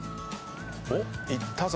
おっいったぞ。